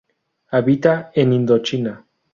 Habita en Indochina.